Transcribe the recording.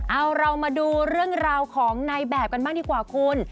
เอาเรามาดูเรื่องราวของในแบบกันบ้างดีกว่าคุณ